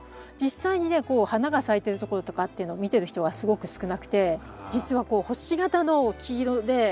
実際にねこう花が咲いてるところとかっていうのを見てる人はすごく少なくてじつはこう星形の黄色で。